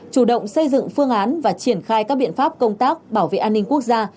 chủ động xây dựng phương án và triển khai các biện pháp công tác bảo vệ an ninh quốc gia